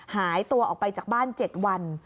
หายตัวออกไปจากบ้าน๗วัน